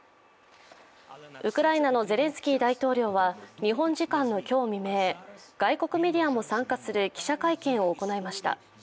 ウクライナのゼレンスキー大統領は日本時間の今日未明、外国メディアも参加する記者会見を開きました。